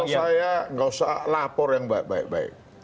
kalau saya nggak usah lapor yang baik baik